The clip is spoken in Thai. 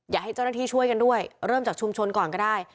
อยากให้เจ้าหน้าที่ช่วยกันด้วยเริ่มจากชุมชนก่อนก็ได้